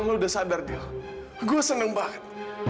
kuasa neng banget